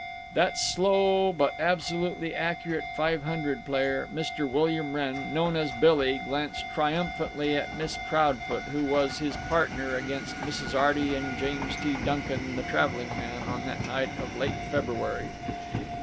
That slow but absolutely accurate Five Hundred player, Mr. William Wrenn, known as Billy, glanced triumphantly at Miss Proudfoot, who was his partner against Mrs. Arty and James T. Duncan, the traveling man, on that night of late February.